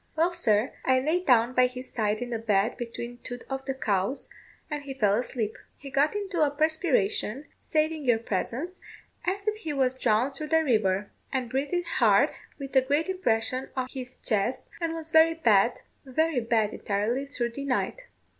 Well, sir, I lay down by his side in the bed, between two of the cows, and he fell asleep. He got into a perspiration, saving your presence, as if he was drawn through the river, and breathed hard, with a great impression on his chest, and was very bad very bad entirely through the night.